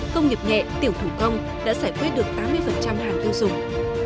công nghiệp nhẹ tiểu thủ công đã giải quyết được tám mươi hàng tiêu dùng